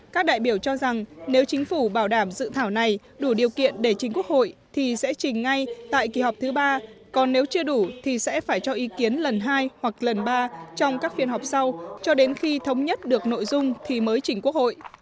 các đại biểu cho rằng nếu chính phủ bảo đảm dự thảo này đủ điều kiện để chính quốc hội thì sẽ trình ngay tại kỳ họp thứ ba còn nếu chưa đủ thì sẽ phải cho ý kiến lần hai hoặc lần ba trong các phiên họp sau cho đến khi thống nhất được nội dung thì mới chỉnh quốc hội